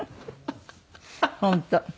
本当。